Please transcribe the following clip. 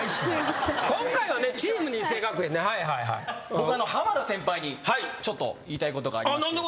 僕浜田先輩にちょっと言いたいことがありましてですね。